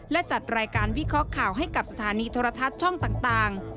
และจัดรายการวิเคราะห์ข่าวให้กับสถานีโทรทัศน์ช่องต่าง